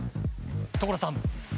所さん！